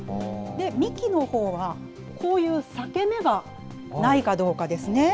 幹のほうは、こういう裂け目がないかどうかですね。